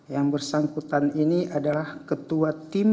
yang bersangkutan ini adalah ketua tim bupati ngada